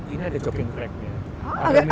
ini ada jogging tracknya